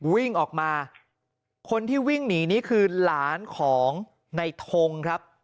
วิ่งออกมาคนที่วิ่งหนีนี่คือหลานของในทงครับ